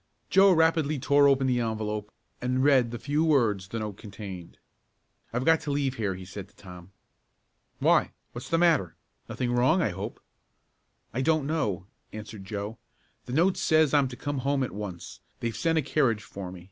Joe rapidly tore open the envelope and read the few words the note contained. "I've got to leave here," he said to Tom. "Why? What's the matter? Nothing wrong I hope." "I don't know," answered Joe. "The note says I'm to come home at once. They've sent a carriage for me.